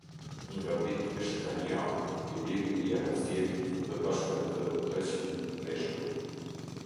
Nga bijtë e Shekaniahut, i biri i Jahazielit dhe bashkë me të treqind meshkuj.